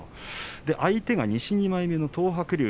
相手は西２枚目の東白龍。